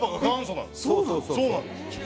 そうなんです。